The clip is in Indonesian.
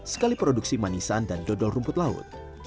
sekali produksi manisan dan dodol rumput laut